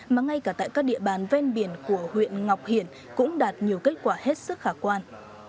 mà ngay cả tại các địa bàn ven biển của huyện ngọc hiển cũng đạt nhiều kết quả hết sức khả quan